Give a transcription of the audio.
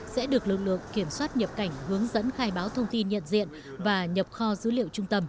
sẽ được lực lượng kiểm soát nhập cảnh hướng dẫn khai báo thông tin nhận diện và nhập kho dữ liệu trung tâm